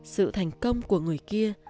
sự thành công của người kia